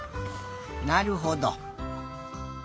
なるほど。